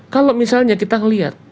kalau misalnya kita lihat